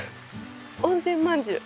温泉まんじゅう。